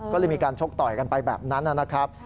ก็เลยมีการชกต่อยกันไปแบบนั้นนะครับ